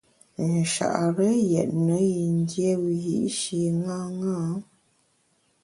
Nchare yètne yin dié wiyi’shi ṅaṅâ.